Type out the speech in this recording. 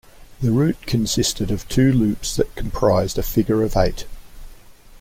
The route consisted of two loops that comprised a figure of eight.